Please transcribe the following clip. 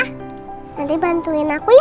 nanti bantuin aku ya